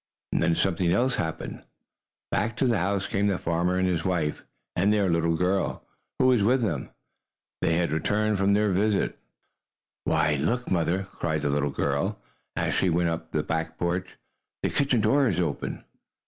And then something else happened. Back to the house came the farmer and his wife, and their little girl was with them. They had returned from their visit. "Why, look, Mother!" cried the little girl, as she went up on the back porch. "The kitchen door is open!"